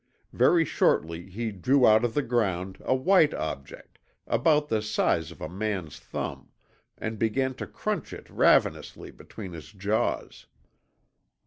Very shortly he drew out of the ground a white object about the size of a man's thumb and began to crunch it ravenously between his jaws.